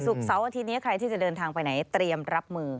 เสาร์อาทิตย์นี้ใครที่จะเดินทางไปไหนเตรียมรับมือ